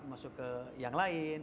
masuk ke yang lain